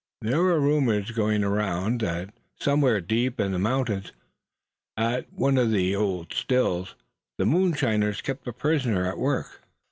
There were rumors going around that somewhere deep in the mountains, at one of the secret Stills, the moonshiners kept a prisoner at work.